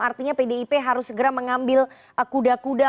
artinya pdip harus segera mengambil kuda kuda